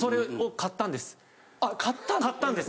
買ったんです。